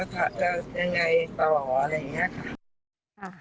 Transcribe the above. จะยังไงต่อเหรออะไรอย่างนี้ค่ะ